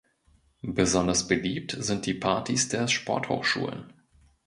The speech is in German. Besonders beliebt sind die Parties der Sporthochschulen.